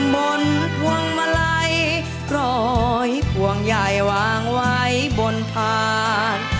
บนพวงมาลัยร้อยพวงยายวางไว้บนพาน